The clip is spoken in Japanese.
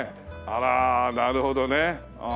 あらなるほどね。